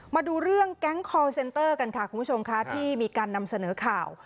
มาดูเรื่องแก๊งคอร์เซ็นเตอร์กันค่ะคุณผู้ชมค่ะที่มีการนำเสนอข่าว